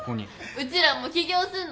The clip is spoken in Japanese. うちらも起業すんの。